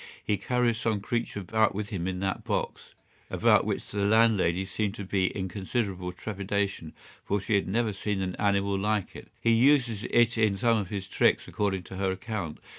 He carries some creature about with him in that box; about which the landlady seemed to be in considerable trepidation, for she had never seen an animal like it. He uses it in some of his tricks according to her account.